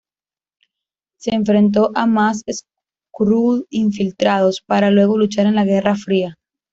Se enfrentó a más Skrull infiltrados, para luego luchar en la Guerra Fría.